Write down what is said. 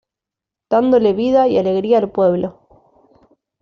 Dándole vida y alegría al pueblo.